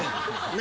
何？